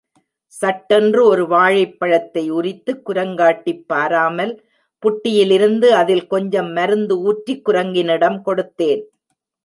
சட்டென்று ஒரு வாழைப்பழத்தை உரித்து, குரங்காட்டிப் பாராமல் புட்டியிலிருந்து அதில் கொஞ்சம் மருந்து ஊற்றி குரங்கனிடம் கொடுத்தேன்.